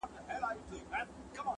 که سپی غاپي خو زه هم سم هرېدلای.!